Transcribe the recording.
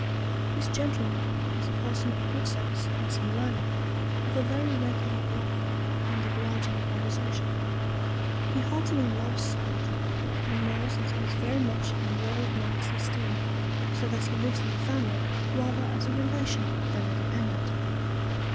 This Gentleman is a Person of good Sense and some Learning, of a very regular Life and obliging Conversation: He heartily loves Sir Roger, and knows that he is very much in the old Knight's Esteem, so that he lives in the Family rather as a Relation than a Dependent.